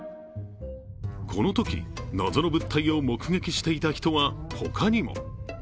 このとき、謎の物体を目撃していた人は他にも。